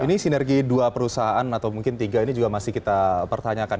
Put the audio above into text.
ini sinergi dua perusahaan atau mungkin tiga ini juga masih kita pertanyakan